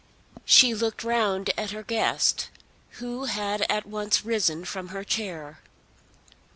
She looked round at her guest, who had at once risen from her chair.